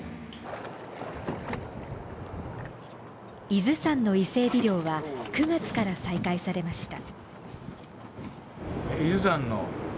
伊豆山の伊勢えび漁は９月から再開されました。